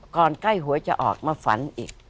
ก่อนใกล้หัวจะออกมาฝันอีก